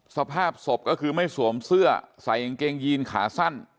สภาพศพก็คือไม่สวมเสื้อใส่กางเกงยีนขาสั้น